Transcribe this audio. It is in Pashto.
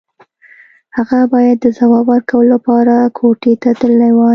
هغه بايد د ځواب ورکولو لپاره کوټې ته تللی وای.